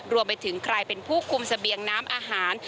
รวมไปถึงใครเป็นผู้คุมเสบียงน้ำอาหาร